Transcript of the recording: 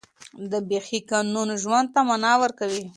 د بښې قانون ژوند ته معنا ورکوي.